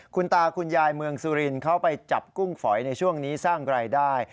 คุณตาคุณยายเมืองสุรินทร์เขาไปจับกุ้งฝอยในช่วงนี้สร้างรายได้